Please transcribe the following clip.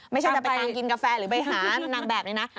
ไม่ใช่จะไปตามกินกาแฟหรือไปหานางแบบนี้นะ